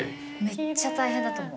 めっちゃ大変だと思う。